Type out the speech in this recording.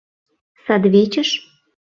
— Садвечыш.